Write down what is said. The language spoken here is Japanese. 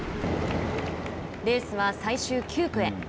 レースは最終９区へ。